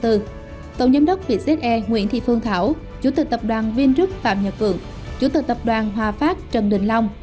tổng giám đốc vietjet air nguyễn thị phương thảo chủ tịch tập đoàn vingroup phạm nhật vượng chủ tịch tập đoàn hoa phát trần đình long